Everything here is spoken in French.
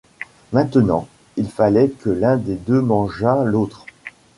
Maintenant, il fallait que l’un des deux mangeât l’autre.